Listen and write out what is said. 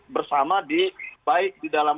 bersama di baik di dalam